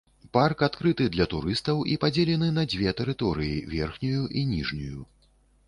Парк адкрыты для турыстаў і падзелены на дзве тэрыторыі, верхнюю і ніжнюю.